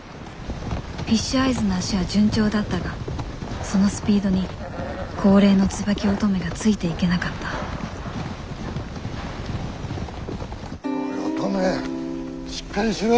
フィッシュアイズの脚は順調だったがそのスピードに高齢のツバキオトメがついていけなかったおいオトメしっかりしろ！